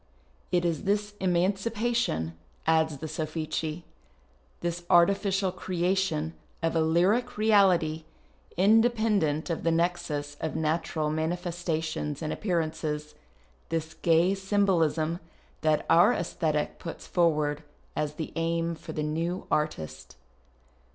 It is this emaneipation, adds the Sofllei, this artifieial creation of a lyric reality independent of the nexus of natural manifestations and appearances, this gay symbolism, that our ffisthctie jjuts forward as the aim for the new artist.